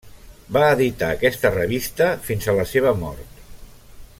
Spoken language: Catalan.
Va editar aquesta revista fins a la seva mort.